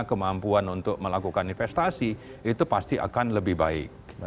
kemampuan untuk melakukan investasi itu pasti akan lebih baik